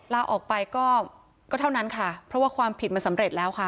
ลาออกไปก็เท่านั้นค่ะเพราะว่าความผิดมันสำเร็จแล้วค่ะ